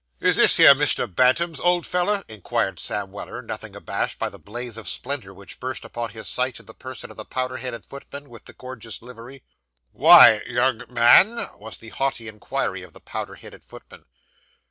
'Is this here Mr. Bantam's, old feller?' inquired Sam Weller, nothing abashed by the blaze of splendour which burst upon his sight in the person of the powdered headed footman with the gorgeous livery. 'Why, young man?' was the haughty inquiry of the powdered headed footman.